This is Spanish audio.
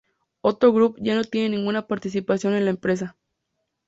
Otto Group ya no tiene ninguna participación en la empresa.